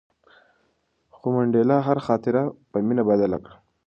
خو منډېلا هره خاطره په مینه بدله کړه.